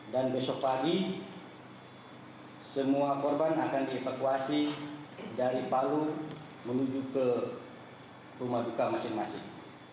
dan besok pagi semua korban akan dievakuasi dari palu menuju ke rumah duka masing masing